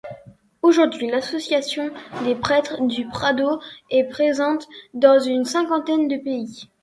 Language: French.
Aujourd'hui, l'Association des Prêtres du Prado est présente dans une cinquantaine de pays.